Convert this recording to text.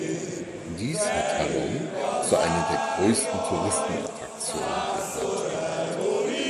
Dies hat Ha Long zu einer der größten Touristenattraktionen Vietnams gemacht.